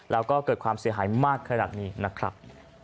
แล้วก็เกิดความเสียหายมากขนาดนี้นะครับ